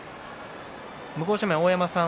向正面の大山さん